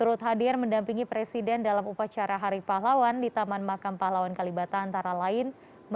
upacara hari pahlawan